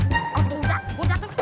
eh buda buda